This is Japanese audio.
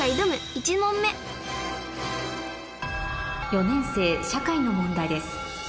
１問目４年生社会の問題です